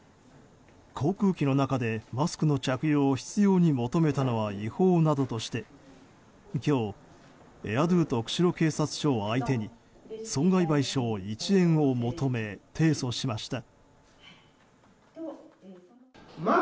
航空機の中でマスクの着用を執拗に求めたのは違法などとして今日、ＡＩＲＤＯと釧路警察署を相手に損害賠償１円を求め提訴しました。